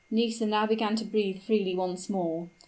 Nisida now began to breathe freely once more.